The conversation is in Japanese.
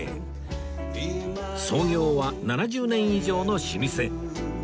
創業は７０年以上の老舗